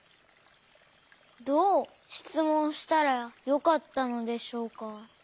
どうしつもんしたらよかったのでしょうか。